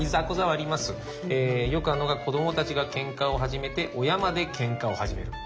よくあるのが子どもたちがケンカを始めて親までケンカを始める。